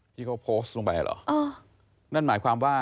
ที่เขาโพสต์ลงไปเหรออ่านั่นหมายความว่า